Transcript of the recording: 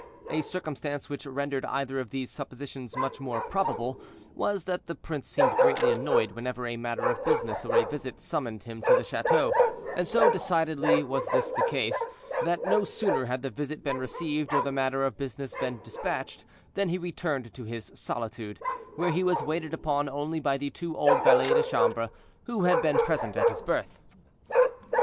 A circumstance which rendered either of these suppositions much more probable was, that the prince seemed greatly annoyed whenever a matter of business or a visit summoned him to the chateau; and so decidedly was this the case, that no sooner had the visit been received, or the matter of business been dispatched, than he returned to his solitude, where he was waited upon only by the two old valets de chambre who had been present at his birth.